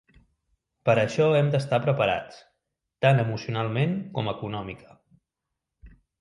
Per això hem d'estar preparats, tant emocionalment com econòmica.